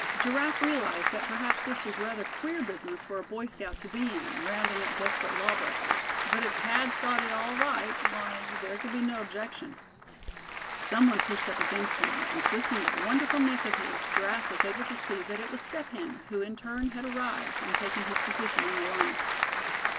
Giraffe realized that perhaps this was rather queer business for a Boy Scout to be in, rounding up desperate law breakers; but if Thad thought it all right, why, there could be no objection. Some one pushed up against him, and twisting that wonderful neck of his, Giraffe was able to see that it was Step Hen, who in turn had arrived, and taken his position in the line.